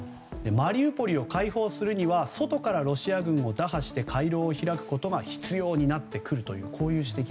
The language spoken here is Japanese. マリウポリを解放するには外からロシア軍を打破して回廊を開くことが必要になってくるという。